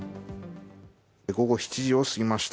午後７時を過ぎました。